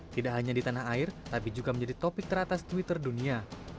tidak hanya di tanah air tapi juga menjadi topik teratas twitter dunia